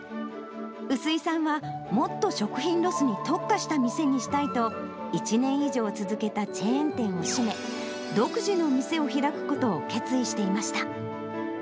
薄井さんは、もっと食品ロスに特化した店にしたいと、１年以上続けたチェーン店を閉め、独自の店を開くことを決意していました。